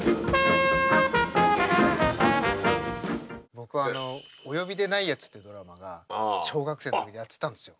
僕あの「オヨビでない奴！」っていうドラマが小学生の時にやってたんですよ。